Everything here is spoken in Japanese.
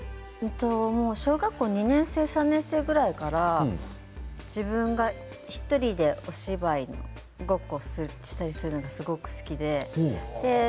小学校２年生３年生くらいから自分が１人で、お芝居ごっこをしたりするのがすごく好きで。